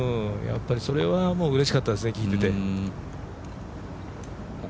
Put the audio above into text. やっぱりそれはうれしかったですね、聞いてて。